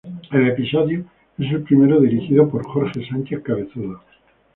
El episodio es el primero dirigido por Jorge Sánchez-Cabezudo.